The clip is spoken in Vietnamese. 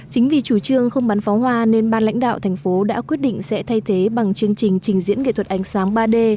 chính vì chủ trương không bắn pháo hoa nên ban lãnh đạo thành phố đã quyết định sẽ thay thế bằng chương trình trình diễn nghệ thuật ánh sáng ba d